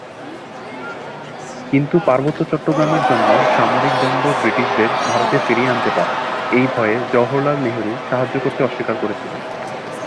কিন্তু পার্বত্য চট্টগ্রামের জন্য সামরিক দ্বন্দ্ব ব্রিটিশদের ভারতে ফিরিয়ে আনতে পারে, এই ভয়ে জওহরলাল নেহরু সাহায্য করতে অস্বীকার করেছিলেন।